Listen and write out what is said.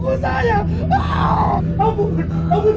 amur ampun ampun